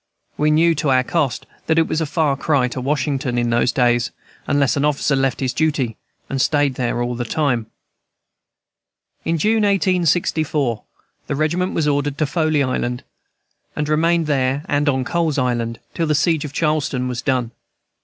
We knew to our cost that it was a far cry to Washington in those days, unless an officer left his duty and stayed there all the time. In June, 1864, the regiment was ordered to Folly Island, and remained there and on Cole's Island till the siege of Charleston was done.